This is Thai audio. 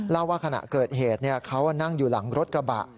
ว่าขณะเกิดเหตุเขานั่งอยู่หลังรถกระบะ